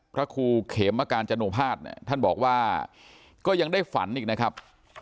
พระครูเขมการจโนภาษณเนี่ยท่านบอกว่าก็ยังได้ฝันอีกนะครับ